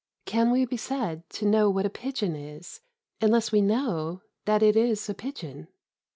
Can we be said to know what a pigeon is unless we know that it is a pigeon?